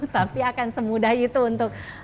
tapi akan semudah itu untuk